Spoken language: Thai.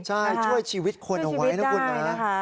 ใช่ช่วยชีวิตคนเอาไว้นะคุณนะ